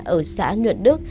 ở xã nhuận đức